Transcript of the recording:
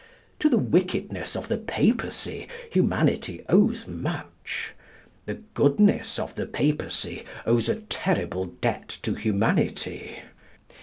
To the wickedness of the Papacy humanity owes much. The goodness of the Papacy owes a terrible debt to humanity.